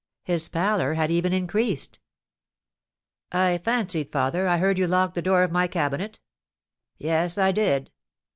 His pallor had even increased. "I fancied, father, I heard you lock the door of my cabinet?" "Yes, I did."